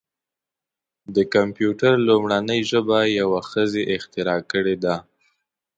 د کمپیوټر لومړنۍ ژبه یوه ښځې اختراع کړې ده.